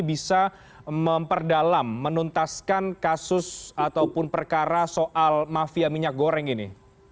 bisa memperdalam menuntaskan kasus ataupun perkara soal mafia minyak goreng ini